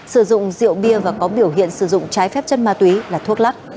sử dụng rượu bia và có biểu hiện sử dụng trái phép chất ma túy là thuốc lắc